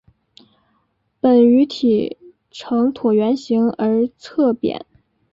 本鱼体呈椭圆形而侧扁。